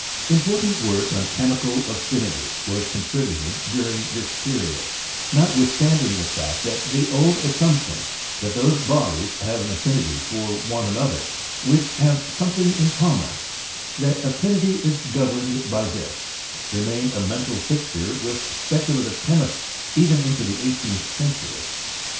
Important work on chemical affinity was contributed during this period, notwithstanding the fact that the old assumption that those bodies have an affinity for one an other which have something in common — that affinity is governed by this, remained a mental fixture with specula tive chemists even into the eighteenth century.